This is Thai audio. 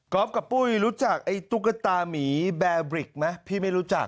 กับปุ้ยรู้จักไอ้ตุ๊กตามีแบร์บริกไหมพี่ไม่รู้จัก